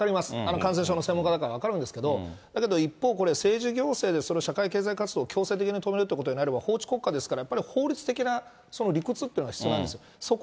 感染症の専門家の方だから分かるんですけど、だけど一方、政治、行政でそれを、社会経済活動を強制的に止めるということになれば、法治国家ですから、やっぱり法律的な理屈っていうのは必要なんですよ。